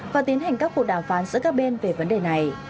và tiến hành các cuộc đàm phán giữa các bên về vấn đề này